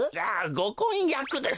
ごこんやくです。